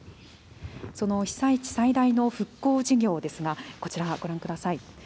その被災地最大の復興事業ですが、こちら、ご覧ください。